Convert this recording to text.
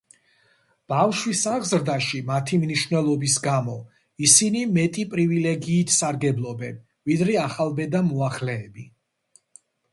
ბავშვის აღზრდაში მათი მნიშვნელობის გამო, ისინი მეტი პრივილეგიით სარგებლობენ, ვიდრე ახალბედა მოახლეები.